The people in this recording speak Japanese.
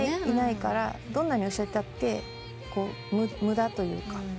いないからどんなに教えたって無駄というか。